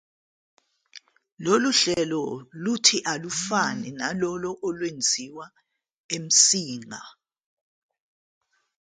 Lolu hlelo luthi alufane nalolo olwenziwa eMsinga.